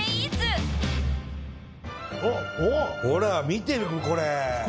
ほら見てみこれ。